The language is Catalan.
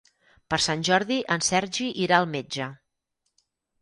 Per Sant Jordi en Sergi irà al metge.